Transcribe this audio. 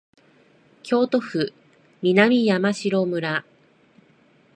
京都府南山城村